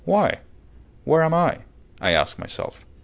"Why, where am I?" I ask myself.